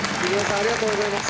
ありがとうございます。